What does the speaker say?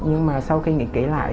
nhưng mà sau khi nghĩ kỹ lại